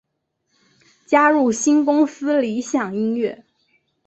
加入新公司理响音乐。